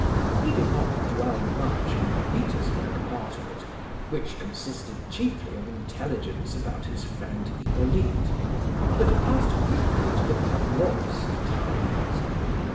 He did not dwell much on the Petersburg part of it, which consisted chiefly of intelligence about his friend Hippolyte, but passed quickly to the Pavlofsk tidings.